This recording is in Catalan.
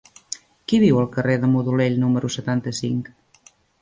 Qui viu al carrer de Modolell número setanta-cinc?